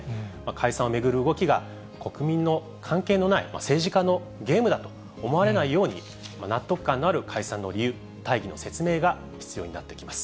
解散を巡る動きが、国民の関係のない、政治家のゲームだと思われないように、納得感のある解散の理由、大義の説明が必要になってきます。